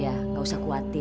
bapak bisa mengerti